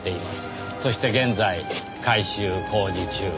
そして現在改修工事中。